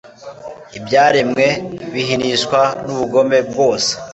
Ibyaremwe binihishwa nubugome bwose